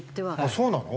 そうなの？